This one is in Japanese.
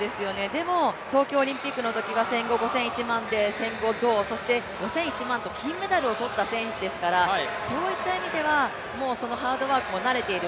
でも東京オリンピックのときは１５００、５０００ｍで１５００は銅、５０００、１００００と金メダルを取った選手ですからそういった意味ではハードワークも慣れている